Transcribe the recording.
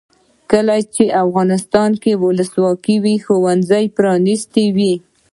کله چې افغانستان کې ولسواکي وي ښوونځي پرانیستي وي.